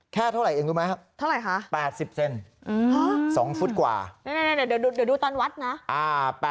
แค่เท่าไรเงินไมวะทาลัยคะ๘๐เซนสองฟุตกว่าเดี๋ยวดิวด้านวัดนะอ่า